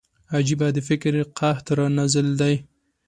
عجيبه د فکر قحط را نازل دی